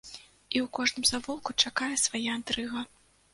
І ў кожным завулку чакае свая інтрыга.